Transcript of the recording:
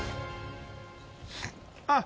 あっ。